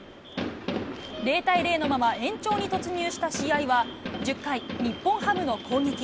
０対０のまま、延長に突入した試合は、１０回、日本ハムの攻撃。